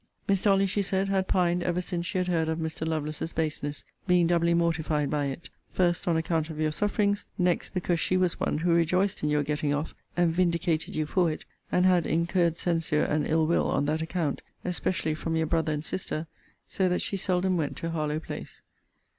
'Miss Dolly,' she said, 'had pined ever since she had heard of Mr. Lovelace's baseness, being doubly mortified by it: first, on account of your sufferings; next, because she was one who rejoiced in your getting off, and vindicated you for it; and had incurred censure and ill will on that account; especially from your brother and sister; so that she seldom went to Harlowe place.'